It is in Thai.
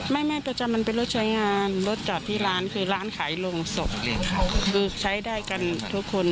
ไม่ไม่ประจำมันเป็นรถใช้งานรถจอดที่ร้านคือร้านขายโรงศพคือใช้ได้กันทุกคน